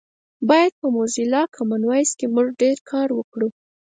باید په موزیلا کامن وایس کې مونږ ډېر کار وکړو